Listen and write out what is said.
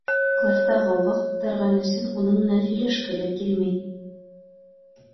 Класта ғауға ҡуптарғаны өсөн уның менән һөйләшке лә килмәй.